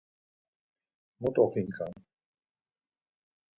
Mot oxinǩan!